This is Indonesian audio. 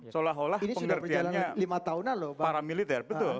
seolah olah pengertiannya para militer